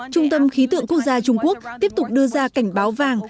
trung tâm khí tượng quốc gia trung quốc tiếp tục đưa ra cảnh báo vàng